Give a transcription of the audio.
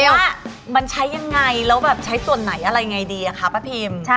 ว่ามันใช้ยังไงแล้วแบบใช้ส่วนไหนอะไรไงดีอะคะป้าพิม